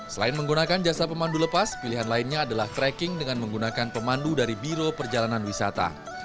selain menggunakan jasa pemandu lepas pilihan lainnya adalah trekking dengan menggunakan pemandu dari biro perjalanan wisata